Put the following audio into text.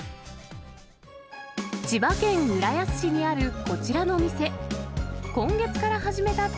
千葉県浦安市にあるこちらの店。